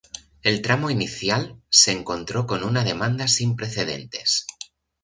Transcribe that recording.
El tramo inicial se encontró con una demanda sin precedentes.